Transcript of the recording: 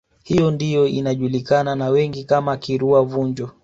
Hiyo ndiyo inajulikana na wengi kama Kirua Vunjo